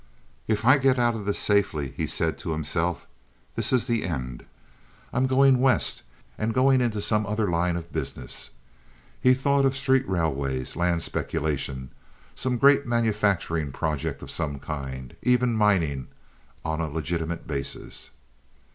"If I get out of this safely," he said to himself, "this is the end. I am going West, and going into some other line of business." He thought of street railways, land speculation, some great manufacturing project of some kind, even mining, on a legitimate basis.